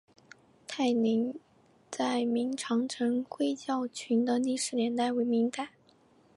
大岭寨明长城灰窑群的历史年代为明代。